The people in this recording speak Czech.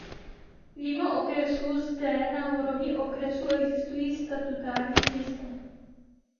Mimo okresů zde na úrovni okresů existují statutární města.